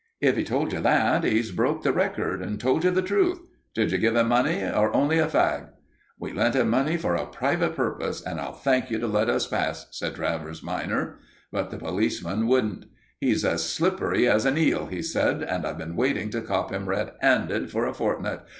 "If he told you that, he's broke the record and told you the truth. Did you give him money, or only a fag?' "We lent him money for a private purpose, and I'll thank you to let us pass," said Travers minor. But the policeman wouldn't. "He's as slippery as an eel," he said, "and I've been waiting to cop him red 'anded for a fortnight.